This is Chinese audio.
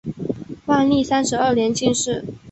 万历三十二年进士。